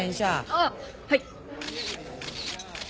あっはい。